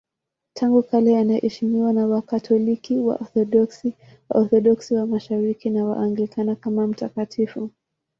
Tangu kale anaheshimiwa na Wakatoliki, Waorthodoksi, Waorthodoksi wa Mashariki na Waanglikana kama mtakatifu.